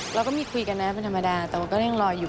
เราก็มีคุยกันนะเป็นธรรมดาแต่ว่าก็ยังรออยู่